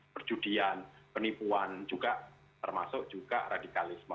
perjudian penipuan juga termasuk juga radikalisme